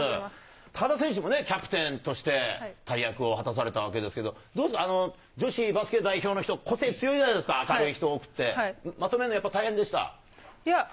高田選手もね、キャプテンとして大役を果たされたわけですけど、どうですか、女子バスケ代表の人、個性強いじゃないですか、明るい人多くって。